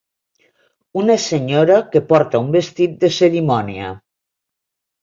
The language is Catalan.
Una senyora que porta un vestit de cerimònia